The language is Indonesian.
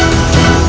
itu udah gila